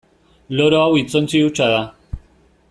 Loro hau hitzontzi hutsa da.